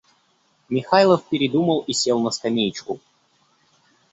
Михайлов передумал и сел на скамеечку.